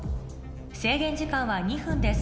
制限時間は２分です